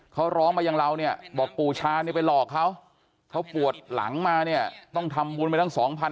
เขาร้องมายังเราเนี่ยหกปลู่ชาไปหลอกเขาเขาปวดหลังมาเนี่ยต้องทำมุ่นไว้ตั้ง๒๐๐๐